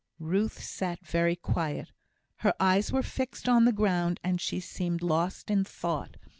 Ruth sat very quiet. Her eyes were fixed on the ground, and she seemed lost in thought.